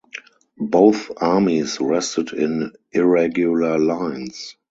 Both armies rested on irregular lines.